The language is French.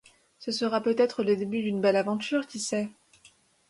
Ce sera peut-être le début d’une belle aventure, qui sait ?